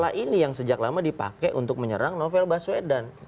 nah ini yang sejak lama dipakai untuk menyerang novel baswedan